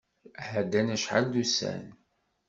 Ɛeddan acḥal d ussan.